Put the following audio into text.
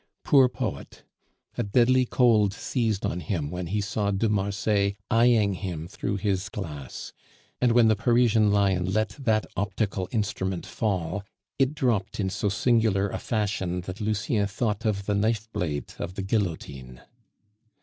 Poor poet! a deadly cold seized on him when he saw de Marsay eying him through his glass; and when the Parisian lion let that optical instrument fall, it dropped in so singular a fashion that Lucien thought of the knife blade of the guillotine.